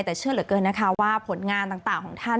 แต่เชื่อเหลือเกินนะคะว่าผลงานต่างของท่าน